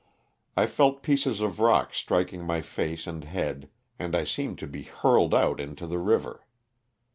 I felt pieces of rock striking my face and head and I seemed to be hurled out into the river.